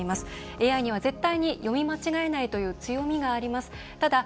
ＡＩには絶対に読み間違えないという強みがあります。